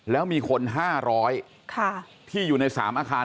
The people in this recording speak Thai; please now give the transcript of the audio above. แล้วมีคน๕๐๐ที่อยู่ใน๓อาคาร